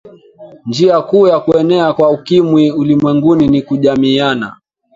njia kuu ya kuenea kwa ukimwi ulimwenguni ni kujamiiana